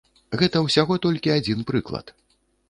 Гэта ўсяго толькі адзін прыклад.